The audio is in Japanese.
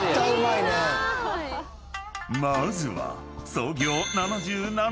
［まずは創業７７年］